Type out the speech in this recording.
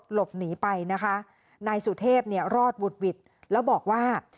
หลบหนีไปนะคะนายสุเทพเนี่ยรอดบุดหวิดแล้วบอกว่า